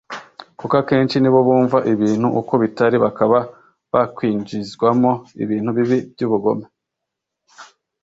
kuko akenshi ni bo bumva ibintu uko bitari bakaba bakwinjizwamo ibintu bibi by’ubugome